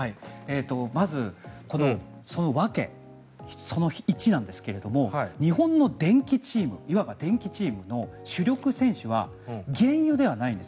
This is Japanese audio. まず、その訳１なんですが日本の電気チームの主力選手は原油ではないんです。